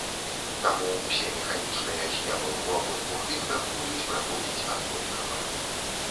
Таму ўсе механічныя з'явы ў абодвух ліфтах будуць праходзіць аднолькава.